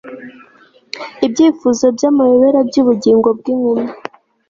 ibyifuzo byamayobera byubugingo bwinkumi